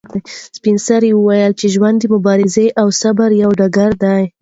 سپین سرې وویل چې ژوند د مبارزې او صبر یو ډګر دی.